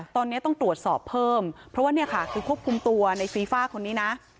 ตอนนี้ต้องตรวจสอบเพิ่มเพราะว่าเนี่ยค่ะคือควบคุมตัวในฟีฟ่าคนนี้นะ